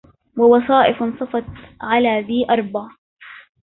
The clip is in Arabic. ووصائف صفت على ذي أربع